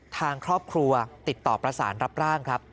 ทางครอบครัวติดต่อประสานรับร่างครับ